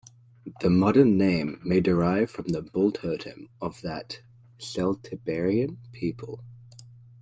The modern name may derive from the bull totem of that Celtiberian people.